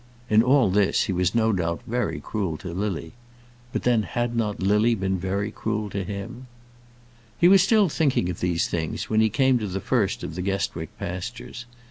In all this he was no doubt very cruel to Lily; but then had not Lily been very cruel to him? He was still thinking of these things when he came to the first of the Guestwick pastures.